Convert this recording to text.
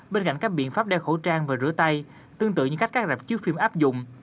bên cạnh các biện pháp đeo khẩu trang và rửa tay tương tự như cách các rạp chiếu phim áp dụng